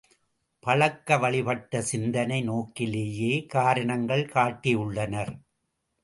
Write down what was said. பழக்க வழிப்பட்ட சிந்தனை நோக்கிலேயே காரணங்கள் காட்டியுள்ளனர்.